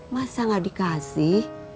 masa gak dikasih